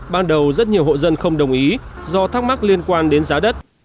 ban đầu rất nhiều hộ dân không đồng ý do thắc mắc liên quan đến giá đất